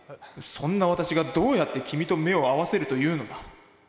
「そんな私がどうやって君と目を合わせるというのだ」。